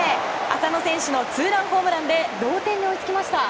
浅野選手のツーランホームランで同点に追いつきました。